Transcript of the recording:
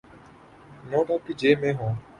Note آپ کی جیب میں ہوں۔